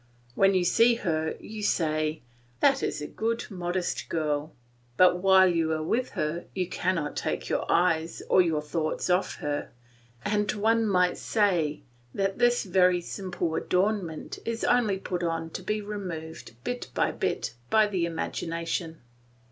When you see her you say, "That is a good modest girl," but while you are with her, you cannot take your eyes or your thoughts off her and one might say that this very simple adornment is only put on to be removed bit by bit by the imagination.